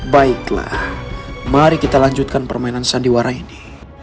baiklah mari kita lanjutkan permainan sandiwara ini